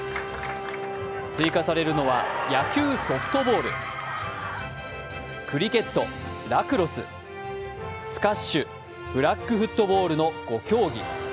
追加されるのは野球・ソフトボール、クリケット、ラクロス、スカッシュ、フラッグフットボールの５競技。